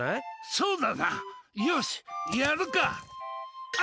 そうだな、よしやるか。